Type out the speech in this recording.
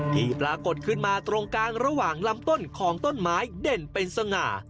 ที่ปรากฏขึ้นมาตรงกลางระหว่างลำต้นของต้นไม้เด่นเป็นสง่า